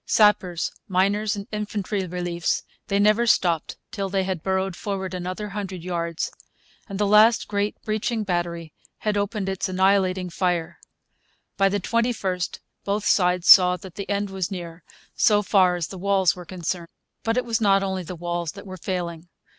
Sappers, miners, and infantry reliefs, they never stopped till they had burrowed forward another hundred yards, and the last great breaching battery had opened its annihilating fire. By the 21st both sides saw that the end was near, so far as the walls were concerned. But it was not only the walls that were failing.